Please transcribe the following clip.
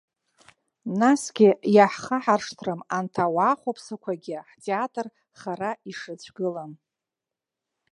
Насгьы иаҳхаҳаршҭрым анҭ ауаа хәаԥсақәагьы ҳтеатр хара ишрыцәгылам.